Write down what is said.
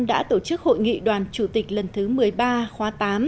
đã tổ chức hội nghị đoàn chủ tịch lần thứ một mươi ba khóa tám